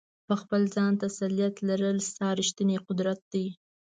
په خپل ځان تسلط لرل، ستا ریښتنی قدرت دی.